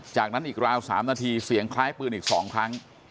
จากนั้นอีกราว๓นาทีเสียงคล้ายปืนอีก๒ครั้ง